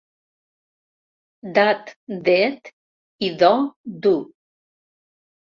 Dat d'Ed i do d'U.